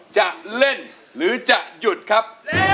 จะเล่นหรือจะหยุดครับ